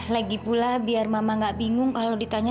lagi pula biar mama gak bingung kalau ditanya